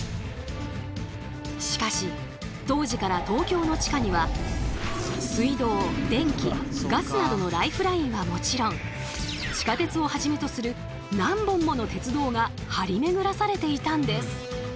しかし当時から東京の地下には水道・電気・ガスなどのライフラインはもちろん地下鉄をはじめとする何本もの鉄道が張りめぐらされていたんです。